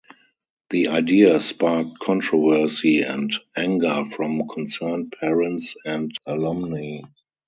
The idea sparked controversy and anger from concerned parents and alumni.